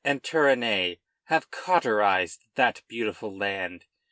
and Turenne have cauterized that beautiful land.